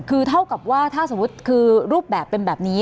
คือเท่ากับว่าถ้าสมมุติคือรูปแบบเป็นแบบนี้